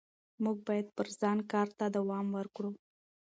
موږ باید پر ځان کار ته دوام ورکړو